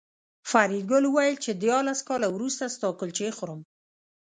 فریدګل وویل چې دیارلس کاله وروسته ستا کلچې خورم